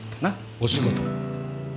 お仕事。